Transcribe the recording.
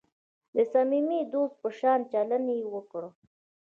د صمیمي دوست په شان چلند یې وکړ.